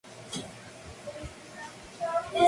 La cornisa está adornada con motivos piramidales.